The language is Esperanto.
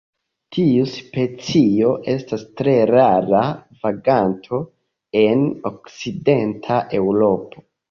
Tiu specio estas tre rara vaganto en okcidenta Eŭropo.